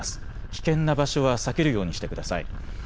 危険な場所は避けるようにしてください。